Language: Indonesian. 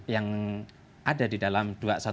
yang ada di dalam dua ratus dua belas